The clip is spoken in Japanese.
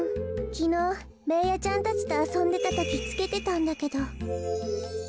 きのうベーヤちゃんたちとあそんでたときつけてたんだけど。